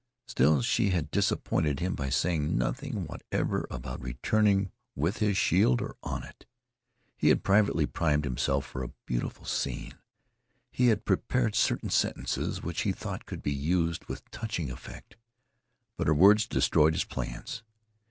Still, she had disappointed him by saying nothing whatever about returning with his shield or on it. He had privately primed himself for a beautiful scene. He had prepared certain sentences which he thought could be used with touching effect. But her words destroyed his plans.